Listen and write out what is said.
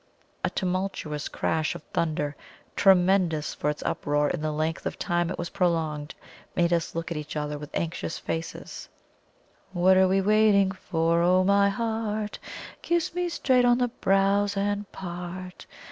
A tumultuous crash of thunder, tremendous for its uproar and the length of time it was prolonged, made us look at each other again with anxious faces. "What are we waiting for? Oh, my heart! Kiss me straight on the brows and part!